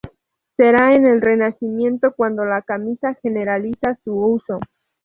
Será en el Renacimiento cuando la camisa generaliza su uso.